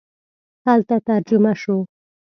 هلته ترجمه شو.